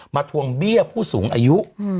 ทวงเบี้ยผู้สูงอายุ